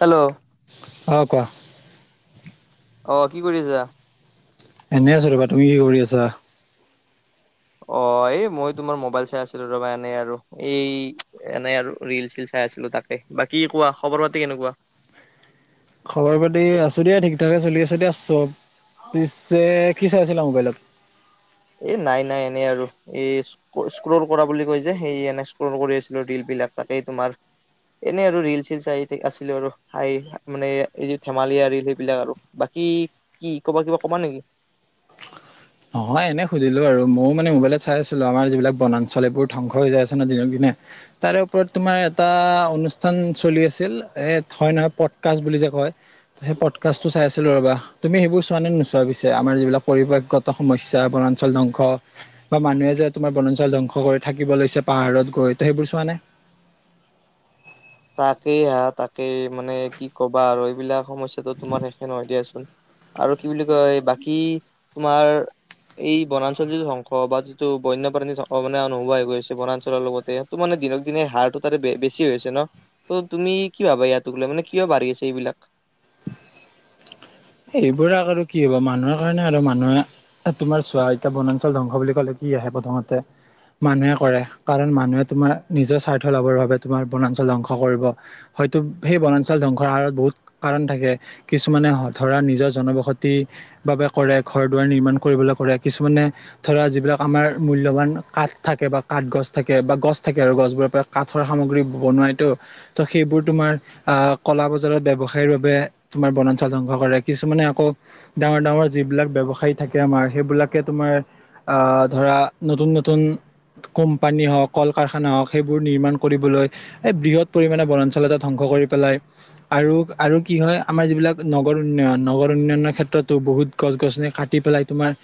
Hello, অ, কোৱা। অ, কি কৰিছা? এনে আছো ৰবা, তুমি কি কৰি আছা? অ, এই মই তোমাৰ মোবাইল চাই আছিলো ৰবা, এনেই আৰু এই এনেই আৰু ৰিল-চীল চাই আছিলো, তাক এ, বাকী কোৱা, খবৰ পাতি কেনেকুৱা? খবৰ পাতি আছো দিয়া ঠিক-থাকে চলি আছে দিয়া, চ'ব পিছে কি চাই আছিলা, মোবাইলত? এ, নাই, নাই এনেই আৰু এই স্ক্ৰৰ কৰা বুলি কৈ যে, সেই এনে স্ক্ৰৰ কৰি আছিলো ৰিল বিলাক, তাকেই তোমাৰ এনেই আৰু ৰিল-চীল চাই আছিলো আৰু হাহি মানে এই, ধেমালিয় ৰীল সেইবিলাক আৰু। বাকী কি ক'বা, কিবা কবা নেকি? নহয়, এনেই সুধিলোঁ আৰু ময়ো মানে মোবাইল চাই আছিলো, আমাৰ যিবিলাক বনাঞ্চল এইবোৰ ধ্বংস হৈ যায় আছে ন, দিনক দিনে। তাৰে ওপৰত তোমাৰ এটা অনুষ্ঠান চলি আছিল, এ হয় নহয়, পটকাচ বুলি যে কয়। সেই পডকাষ্টটো চাই আছিলো ৰবা, তুমি সেইবোৰ চোৱা নে নোচোৱা, পিছে আমাৰ যিবিলাক পৰিপ্ৰেক্ষি সমস্যা বনাঞ্চল ধ্বংস, বা মানুহে যে তোমাৰ বনাঞ্চল ধ্বংস কৰি থাকিব লৈছে পাহাৰত গৈ তো সেইবোৰ চোৱা তাকেই হা তাকেই মানে কি ক'বা আৰু এইবিলাক সমস্যাতো তোমাৰ শেষে নহয় দিয়াচোন। আৰু কি বুলি কয় বাকী তোমাৰ এই বনাঞ্চলৰ যিটো ধ্বংস বা যিটো বন্যপ্ৰাণীৰ সং মানে নোহোৱা হৈ গৈছে বনাঞ্চলৰ লগতে ত মানে দিনক দিনে হাৰটো তাতে বেছি হৈছে ন? ত' তুমি কি ভাবা ইয়াক লৈ মানে কিয় বাঢ়ি আছে এইবিলাক? এইবোৰ আৰু কি হ'ব মানুহৰ কাৰণে আৰু, মানুহে তোমাৰ চোৱা এতিয়া বনাঞ্চল ধ্বংস বুলি কলে কি আহে প্ৰথমতে মানুহে কৰে, কাৰণ মানুহে তোমাৰ নিজৰ স্বাৰ্থ লাভৰ বাবে তোমাৰ বনাঞ্চল ধংস কৰিব। হয়তো সেই বনাঞ্চল ধ্বংসৰ হাৰত বহুত কাৰণ থাকে কিছুমানে হয় ধৰা নিজৰ জনবসতি বাবে কৰে, ঘৰ দুৱাৰ নিৰ্মাণ কৰিবলৈ কৰে, কিছুমানে ধৰা যিবিলাক আমাৰ মূল্যবান কাঠ থাকে বা কাঠ গছ থাকে বা গছ থাকে আৰু গছবোৰৰ পৰা কাঠৰ সামগ্ৰী বনোৱাইতো, ত' সেইবোৰ তোমাৰ আ কলা বজাৰত ব্যৱসায়ৰ বাবে তুমাৰ বনাঞ্চল কৰে, কিছুমানে আকৌ ডাঙৰ ডাঙৰ যিবিলাক ব্যৱসায়ী থাকে আমাৰ সেইবিলাকে তোমাৰ আহ ধৰা নতুন নতুন কোম্পানী হওক কল কাৰখানা হওক সেইবোৰ নিৰ্মাণ কৰিবলৈ এই বৃহৎ পৰিমাণে বনাঞ্চল এটা ধ্বংস কৰি পেলাই আৰু আৰু কি হয় আমাৰ যিবিলাক নগৰ উন্নয়ন নগৰ উন্নয়নৰ ক্ষেত্ৰতো বহুত গছ গছনি কাটি পেলাই তোমাৰ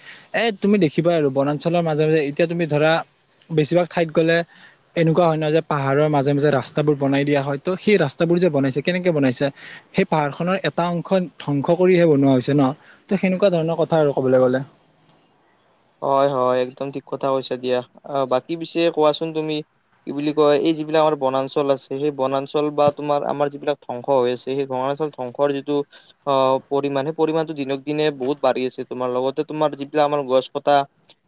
এ তুমি দেখিবা আৰু বনাঞ্চলৰ মাজে মাজে এতিয়া তুমি ধৰা বেছিভাগ ঠাইত গ'লে, এনেকুৱা হয় নহয় যে পাহাৰৰ মাজে মাজে ৰাস্তাবোৰ বনাই দিয়া হয় ত' সেই ৰাস্তাবোৰ যে বনাইছে কেনেকে বনাইছে! সেই পাহাৰ খনৰ এটা অংশ ধ্বংস কৰিহে বনোৱা হৈছে ন ত সেনেকুৱা ধৰণৰ কথা আৰু কবলৈ গ'লে। হয় হয় একদম ঠিক কথা কৈছা দিয়া অ বাকী পিছে কোৱাচোন তুমি কি বুলি কয় এই যিবিলাক আমাৰ বনাঞ্চল আছে সেই বনাঞ্চল বা তোমাৰ আমাৰ যিবিলাক ধ্বংস হৈ আছে সেই বনাঞ্চল ধ্বংস যিটো অ পৰিমাণ সেই পৰিমাণতো দিনক দিনে বহুত বাঢ়ি আছে তোমাৰ লগতে তোমাৰ যিবিলাক আমাৰ গছ পতা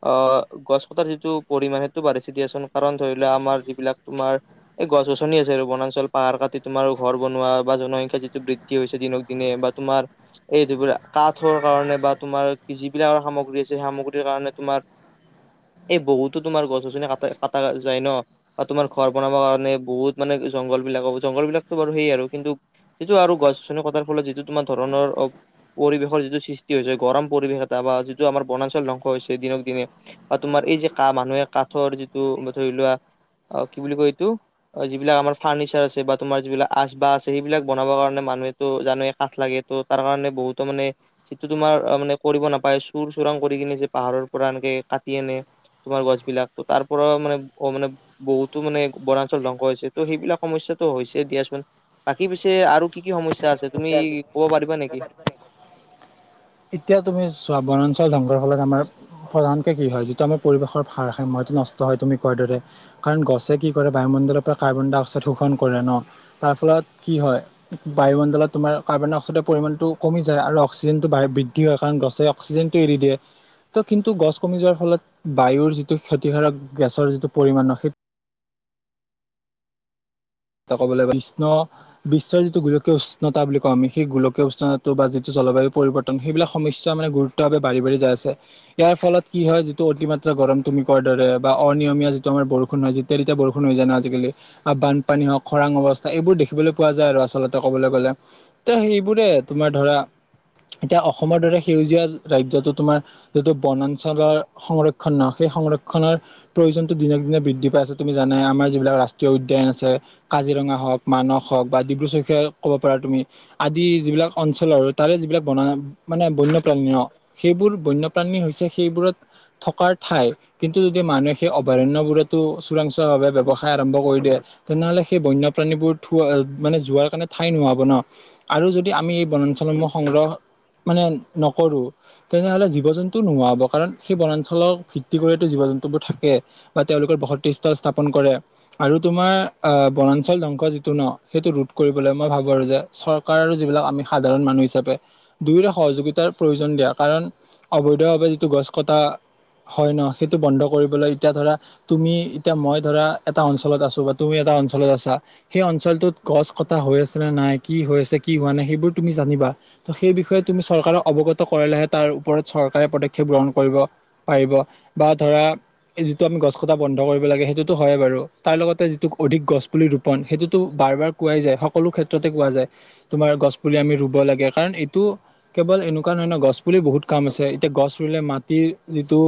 অহ গছ কটাৰ যিটো পৰিমাণ সেইটো বাঢ়িছে দিয়াচোন কাৰণ ধৰি লোৱা আমাৰ যিবিলাক তোমাৰ- এই গছ গছনি আছে আৰু বনাঞ্চল পাহাৰ কাটি তোাৰ ঘৰ বনোৱা বা জনসংখ্যা যিটো বৃদ্ধি কি হৈছে দিনক দিনে বা তোমাৰ এই ধৰা বিলাক কাঠৰ কাৰণে বা তোমাৰ যিবিলাক সামগ্ৰী আছে সেই সামগ্ৰী কাৰণে তোমাৰ এই বহুতো তোমাৰ গছ গছনি কা কটা যায় ন? বা তোমাৰ ঘৰ বনাব কাৰণে বহুত মানে জংঘল বিলাক জংঘল বিলাকতো বাৰু সেই আৰু কিন্তু, যিটো আৰু গছ গছনি কটাৰ ফলত যিটো তোমাৰ ধৰণৰ অ পৰিৱেশৰ যিটো সৃষ্টি হৈছে গৰম পৰিৱেশ এটা বা যিটো আমাৰ বনাঞ্চল ধ্বংস হৈছে দিনক দিনে আৰু তোমাৰ এই যে কা মানুহে কাঠৰ যিটো ধৰি লোৱা, অ কি বুলি কয় তো অ যিবিলাক আমাৰ ফাৰ্নিচাৰ আছে বা তোমাৰ যিবিলাক আচবাহ আছে সেইবিলাক বনাবৰ কাৰণে মানুহেটো জানে কাঠ লাগে, ত' তাৰ কাৰণে বহুতো মানে যিটো তোমাৰ মানে কৰিব নাপায় চুৰ চোৰাং কৰি কিনে যে পাহাৰৰ পৰা এনেকে কাটি আনে তোমাৰ গছ বিলাক ত তাৰ পৰা মানে অ মানে, বহুতো মানে বনাঞ্চল ধ্বংস হৈছে ত' সেইবিলাক সমস্যয়াতটো হৈছে দিয়াচোন বাকী পিছে আৰু কি কি সমস্যা আছে তুমি ক'ব পাৰিবা নেকি? এতিয়া তুমি চোৱা বনাঞ্চল ধ্বংগৰ ফলত আমাৰ প্ৰধানকে কি হয় যিটো আমাৰ পৰিৱেশৰ ভাৰসাম্য সেইতো নষ্ট হয় তুমি কোৱাৰ দৰে কাৰণ গছে কি কৰে বায়ুমণ্ডলৰ পৰা কাৰ্বন ডাই অক্সাইড শোষণ কৰে ন তাৰ ফলত কি হয় বায়ুমণ্ডলত তোমাৰ কাৰ্বন ডাই অক্সাইডৰ পৰিমানটো কমি যায় আৰু অক্সিজেন বৃদ্ধি হয় কাৰণ গছে অক্সিজেনটো এৰি দিয়ে ত' কিন্তু গছ কমি যোৱাৰ ফলত বায়ুৰ যিটো ক্ষতিকাৰক গেছৰ যিটো পৰিমাণৰ সেই ত ক'বলৈ গলে কৃষ্ণ বিশ্বৰ যিটো গোলকীয় উষ্ণতা বুলি কওঁ আমি সেই গোলকীয় উষ্ণতাটো বা যিটো জলবায়ু পৰিৱৰ্তন সেইবিলাক সমস্যা মানে গুৰুত্ব বাঢ়ি বাঢ়ি যায় আছে ইয়াৰ ফলত কি হয় যিটো অতিমাত্ৰা গৰম তুমি কোৱা দৰে বা অনিয়মীয়া যিটো আমাৰ বৰষুণ হয় যিটো যেতিয়াই তেতিয়াই বৰষুণ হৈ যায় ন আজিকালি বান বানপানী হওক খৰাং অৱস্থা এইবোৰ দেখিবলৈ পোৱা যায় আৰু আচলতে ক'বলে গ'লে ত সেইবোৰে তোমাৰ ধৰা এতিয়া অসমৰ দৰে সেউজীয়া ৰাজ্যতো তোমাৰ যিটো বনাঞ্চলৰ সংৰক্ষণ ন সেই সংৰক্ষণৰ প্ৰয়োজনতো দিনক দিনে বৃদ্ধি পাই আছে তুমি জানাই আমাৰ যিবিলাক ৰাষ্ট্ৰীয় উদ্যান আছে কাজিৰঙা হওক মানস হওক বা ডিব্ৰু চৈখোৱা ক'ব পাৰা তুমি আদি যিবিলাক অঞ্চলৰ তাৰে যিবিলাক বনা মানে বন্যপ্ৰাণী ন সেইবোৰ বন্যপ্ৰাণী হৈছে সেইবোৰত থকাৰ ঠাই কিন্তু মানুহে সেই অভয়াৰণ্য বোৰতো চোৰাংচোৱা ভাৱে ব্যৱসায় আৰম্ভ কৰি দিয়ে তেনেহ'লে সেই বন্যপ্ৰাণীবোৰ থোৱা মানে যোৱাৰ কাৰণে ঠাই নোহাব ন আৰু যদি আমি এই বনাঞ্চ সংগ্ৰহ মানে নকৰোঁ তেনেহ'লে জীৱ জন্তু নোহোৱাব কাৰণ সেই বনাঞ্চলৰ ভিত্তি কৰিতো জীৱ জন্তুবোৰ থাকে বা তেওঁলোকৰ বসৃষ্ঠ স্থাপন কৰে আৰু তোমাৰ বনাঞ্চল ধ্বংস যিটো ন সেইটো ৰোধ কৰিবলৈ মই ভাবোঁ আৰু যে চৰকাৰৰ যিবিলাক আমি সাধাৰণ মানুহ হিচাপে দুয়োৰে সহযোগিতাৰ প্ৰয়োজন দিয়া কাৰণ অবৈধভাৱে যিটো গছ কটা হয় ন সেইটো বন্ধ কৰিবলৈ এতিয়া ধৰা তুমি এতিয়া মই ধৰা এটা অঞ্চলত আছো তুমি এটা অঞ্চলত আছা সেই অঞ্চলটোত গছ কটা হৈ আছে নে নাই কি হৈ আছে কি হোৱা নাই সেইবোৰ তুমি জানিবা ত সেই বিষয়ে তুমি চৰকাৰক অৱগত কৰিলেহে তাৰ ওপৰত চৰকাৰে পদক্ষেপ গ্ৰহণ কৰিব পাৰিব বা ধৰা যিটো আমি গছ কটা বন্ধ কৰিব লাগে সেইটোতো হয়ে বাৰু তাৰ লগতে অধিক গছ পুলি ৰোপন সেইটোতো বাৰ বাৰ কোৱাই যায় সকলো ক্ষেত্ৰতে কোৱা যায় তোমাৰ গছ পুলি আমি ৰুব লাগে কাৰণ এইটো কেৱল এনেকুৱা নহয় ন গছ পুলি বহুত কাম আছে এতিয়া গছ ৰুলে মাটিৰ যিটো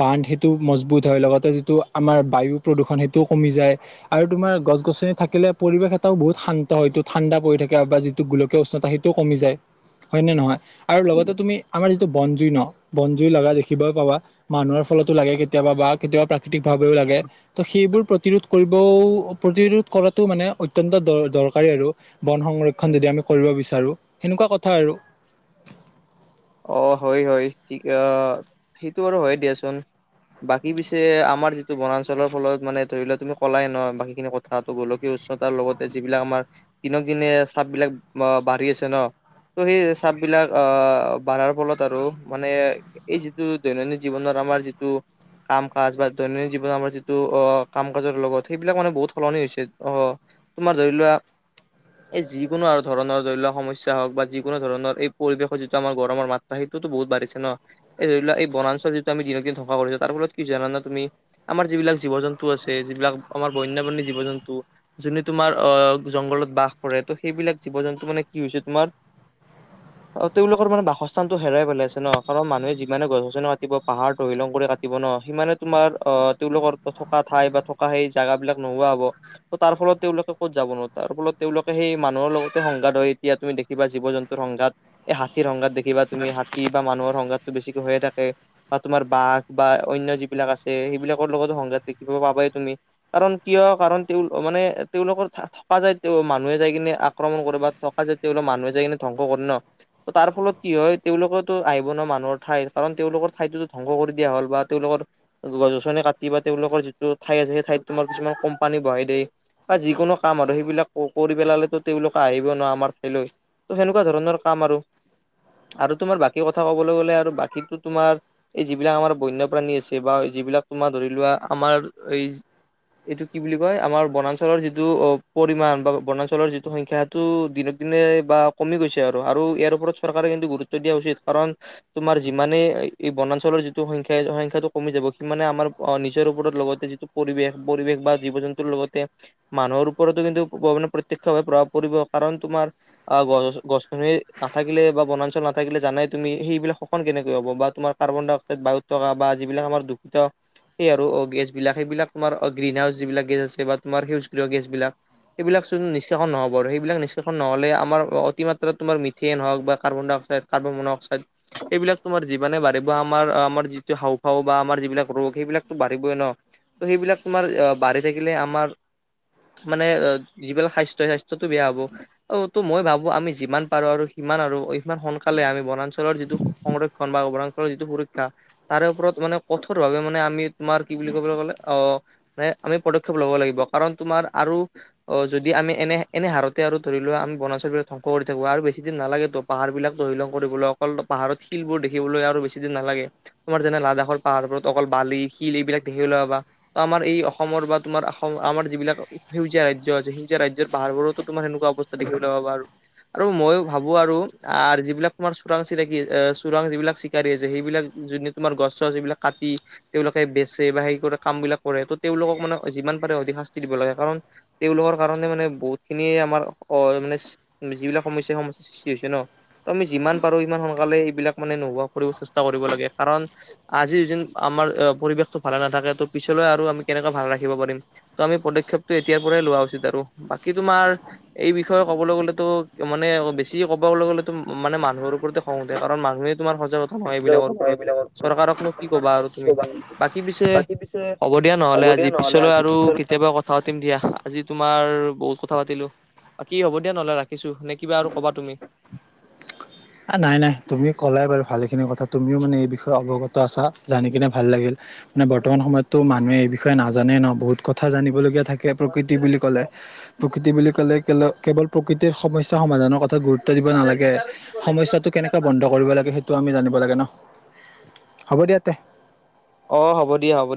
বান্ধ সেইটো মজবুত হয় লগতে যিটো আমাৰ বায়ু প্ৰদূষণ সেইটোও কমি যায় আৰু তোমাৰ গছ গছনি থাকিলে পৰিৱেশ এটাও বহুত শান্ত হয়টো ঠাণ্ডা পৰি থাকে বা যি গোলকীয় উষ্ণতা সেইটোও কমি যায় হয়নে নহয় আৰু লগতে তুমি আমাৰ যিটো বনজুই ন বনজুই লগা দেখিব পাবা মানুহৰ ফলতো লাগে কেতিয়াবা বা কেতিয়াবা ভাৱেও লাগে ত সেইবোৰ প্ৰতিৰোধ কৰিব ত প্ৰতিৰোধ কৰাটো মানে অত্যন্ত দ দৰকাৰী আৰু বন সংৰক্ষণ যদি আমি কৰিব বিচাৰো সেনেকুৱা কথা আৰু অ হয় হয় ঠিক সেইটো বাৰু হয় দিয়াচোন বাকী পিছে আমাৰ যিটো বনাঞ্চলৰ ফলত মানে ধৰি লোৱা তুমি ক'লাই ন বাকীখিনি কথাটো গোলকীয় উচ্চতাৰ লগতে যিবিলাক আমাৰ দিনক দিনে চাপ বিলাক বাঢ়ি আছে ন ত' সেই চাব বিলাক আ বাঢ়াৰ ফলত আৰু মানে এই যিটো দৈনন্দিন জীৱনত আমাৰ যিটো কাম-কাজ বা দৈনন্দিন জীৱনত আমাৰ যিটো অ কাম কাজৰ লগত সেইবিলাক মানে বহুত সলনি হৈছে অহ। তোমাৰ ধৰি লোৱা- এই যিকোনো আৰু ধৰণৰ ধৰি লওক সমস্যা হওক বা যিকোনো ধৰণৰ এই পৰিৱেশত যিটো আমাৰ গৰমৰ মাত্ৰা সেইটো বহুত বাঢ়িছে ন। এই ধৰি লোৱা এই বনাঞ্চল যিটো আমি দিনক দিন থকা কৰিছো, তাৰ ফলত কি জানা নে তুমি? আমাৰ যিবিলাক জীৱ জন্তু আছে যিবিলাক আমাৰ বন্যপ্ৰাণী জীৱ-জন্তু- যোনে তোমাৰ আহ জংঘলত বাস কৰে, ত' সেইবিলাক জীৱ- জন্তু মানে কি হৈছে তোমাৰ- অহ', তেওঁ লোক- ৰ মানে বাসস্থানটো হেৰাই পেলাইছে ন' কাৰণ মানুহে যিমানে গছ-গছনি কাটিব পাহাৰ তৰিলং কৰি কাটি- দিব ন' সিমানে তোমাৰ অ তেওঁলোকৰ থকা ঠাই বা থকা সেই জেগা বিলাক নোহোৱা হ'ব। ত' তাৰ ফলত তেওঁলোকে ক'ত যাব, তাৰ ফলত তেওঁলোকে সেই মানুহৰ লগতে সংঘাত হয়। এতিয়া তুমি দেখ- কিবা জীৱ-জন্তুৰ সংঘাত। এই হাতীৰ সংঘাত দেখিবা তুমি হাতী বা মানুহৰ সংঘাততটো বেছিকৈ হৈয়ে থাকে। বা তোমাৰ বাঘ বা অন্য যিবিলাক আছে সেইবিলাকৰ লগতো সংঘাত দেখিব পাবাই তুমি। কাৰণ কিয় কাৰণ তেওঁ মানে তেওঁলোকৰ থকা যায়, তেওঁ মানুহে যাই কিনে আক্ৰমণ কৰে। থকা জেগাখিনি তেওঁলোক মানুহে ধংস কৰে ন। তাৰ ফলত কি হয় তেওঁলোকো আহিব ন' মানুহৰ ঠাইত, কাৰণ তেওঁলোকৰ ঠাইতোটো ধ্বংস কৰি দিয়া হ'ল বা তেওঁলোকৰ গছ-গছনি কাটি বা তেওঁলোকৰ যিটো ঠাই আছে, সেই ঠাইত তোমাৰ কিছুমান কোম্পানী বহাই দিয়েই। বা যিকোনো কাম আৰু সেইবিলাক কৰি পেলালে তো তেওঁলোক আহিব নোৱাৰে আমাৰ ঠাইলৈ। ত' সেনেকুৱা ধৰণৰ কাম আৰু। আৰু তোমাৰ বাকী কথা কবলৈ গ'লে আৰু বাকী তোমাৰ- এই যিবিলাক আমাৰ বন্যপ্ৰাণী আছে বা যিবিলাক তোমাৰ ধৰি লোৱা আমাৰ এই- এইটো কি বুলি কয়, আমাৰ বনাঞ্চলৰ যিটো অ পৰিমাণ বা বনাঞ্চলৰ যিটো সংখ্যা টো দিনক দিনে বা কমি গৈছে আৰু, আৰু ইয়াৰ ওপৰত চৰকাৰে কিন্তু গুৰুত্ব দিয়া উচিত। কাৰণ- তোমাৰ যিমানে বনাঞ্চলৰ যিটো সংখ্যাই, সংখ্যাটো কমি যাব। সিমানে আমাৰ অ নিজৰ ওপৰত লগতে যিটো- পৰিৱেশ-পৰিৱেশ বা জীৱ-জন্তুৰ লগতে- মানুহৰ ওপৰতো কিন্তু মানে প্ৰত্যক্ষভাৱে প্ৰভাৱ পৰিব। কাৰণ তোমাৰ- আহ', গছ-গছনি- নাথাকিলে বা বনাঞ্চল নাথাকিলে জানাই তুমি সেইবিলাক সোষন কেনেকৈ হ'ব বা তোমাৰ কাৰ্বনডাই অক্সাইড বায়ুত- থকা বা যিবিলাক আমাৰ দূষিত- সেই আৰু অ গেছ বিলাক সেইিলাক তোমাৰ অ গ্ৰীণ হাউচ যিবিলাক গেছ আছে বা তোমাৰ সেউজগ্ৰীহ গেছ বিলাক- সেইবিলাক চোন নিষ্কাষন নহ'ব আৰু সেইবিলাক নিষ্কাষণ নহ'লে আমাৰ অতিমাত্ৰা তোমাৰ- যিয়ে হওঁক বা কাৰ্বনডাই অক্সাইড, কাৰ্বনডাই অক্সাইড- এইবিলাক তোমাৰ যিমানে বাঢ়িব আমাৰ আমাৰ যিটো হাওফাও বা আমাৰ যিবিলাক ৰোগ সেইবিলাক টো বাঢ়িবই ন। ত' সেইবিলাক তোমাৰ বাঢ়ি থাকিলে আমাৰ- মানে অ যিবিলাক স্বাস্হ্য স্বাস্থ্যতটো বেয়া হ'ব। অ তো মই ভাবো আমি যিমান পাৰো আৰু- সিমান আৰু ইমান সোনকালে আমি বনাঞ্চলৰ যিটো সংৰক্ষণ বা বনাঞ্চলৰ যিটো সুৰক্ষা- তাৰে ওপৰত মানে কঠোৰ ভাৱে মানে আমি তোমাৰ কি বুলি ক'বলৈ গ'লে আহ- মানে আমি পদক্ষেপ ল'ব লাগিব। কাৰণ তোমাৰ আৰু- অহ', যদি আমি এনে এনেই হাৰতে আৰু ধৰি লোৱা আমি বনাঞ্চাল বিলাক ধ্বংস কৰি থাকো আৰু বেছি- বেছি দিন নালাগে তো পাহাৰ বিলাক তহিলং কৰিবলৈ অকল পাহাৰত শিলবোৰ দেখিবলৈ আৰু বেছি দিন নালাগে। তোমাৰ যেনে লাডাখৰ পাহাৰবোৰত অকল বালি, শিল এইবিলাক দেখিবলৈ পাবা। ত' আমাৰ এই অসমৰ বা তোমাৰ অসম আমাৰ যিবিলাক- সেউজীয়া ৰাজ্য আছে। সেউজীয়া ৰাজ্যৰ পাহাৰবোৰতো তোমাৰ সেনেকুৱা অৱস্থা দেখিবলৈ পাবা আৰু। আৰু মইও- ভাবো আৰু যিবিলাক তোমাৰ চোৰাং চিকাৰী, চোৰাং যিবিলাক চিকাৰী আছে সেইবিলাক যদি তোমাৰ গছ ছছ এইবিলাক কাটি- তেওঁলোকে বেচে বা সেই কৰা কাম বিলাক কৰে ত' তেওঁলোকক মানে যিমান পাৰে অধিক শাস্তি দিব লাগে কাৰণ, - তেওঁলোকৰ কাৰণে মানে বহুত খিনিয়ে আমাৰ অ মানে যিবিলাক সমস্যা সমস্যা- বেছি হৈছে ন ত আমি যিমান পাৰো সিমান সোনকালে এইবিলাক মানে নোহোৱা কৰিব চেষ্টা কৰিব লাগে কাৰণ- আজি যিন আমাৰ পৰিৱেশটো ভালে নাথাকে ত' পিছলৈ আৰু আমি কেনেকৈ ভালে ৰাখিব পাৰিম? ত আমি পদক্ষেপটো এতিয়াৰ পৰাই লোৱা উচিত আৰু বাকী তোমাৰ- এই বিষয়ে ক'বলৈ গ'লেতো মানে অলপ বেছি- ছি ক'ব গ'লে গ'লে তো মানে মানুহৰ ওপৰতে খং উঠে কাৰন মানুহে তোমাৰ সজাগতা- হয় এইবিলাকৰ ওপৰত চৰকাৰকনো কি কবা আৰু তুমি। বাকী পিছে- হ'ব দিয়া নহলে আজি পিছলৈ আৰু কেতিয়াবা কথা- পাতিম দিয়া। আজি তোমাৰ বহুত কথা পাতিলো বাকি হ'ব দিয়া নহ'লে ৰাখিছো নে কিবা আৰু কবা? তুমি- নাই নাই তুমিও ক'লাই বাৰু ভালেখিনি কথা, তুমিও মানে এই বিষয়ে অৱগত আছা জানি কিনে ভাল লাগিল। মানে বৰ্তমান সময়ততো মানুহে এই বিষয়ে নাজানে ন বহুত কথা জানিবলগীয়া থাকে। প্ৰকৃতি বুলি ক'লে প্ৰকৃতি বুলি কলে কেৱল প্ৰকৃতিৰ সমস্যা সমাধানৰ কথা- গুৰুত্ব দিব নালাগে সমস্যাটো কেনেকৈ বন্ধ- কৰিব লাগে সেইটো আমি জানিব লাগে ন। হ'ব দিয়া তে- অ হ'ব দিয়া হ'ব দিয়া।